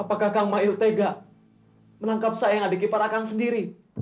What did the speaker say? apakah kang mail tega menangkap saya dan adik ipar akan sendiri